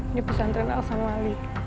ini pesantren al samali